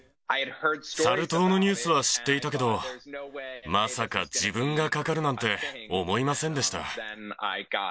サル痘のニュースは知っていたけど、まさか自分がかかるなんて思いませんでした。